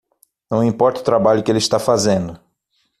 Não importa o trabalho que ele está fazendo